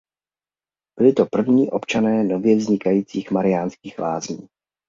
Byli to první občané nově vznikajících Mariánských Lázní.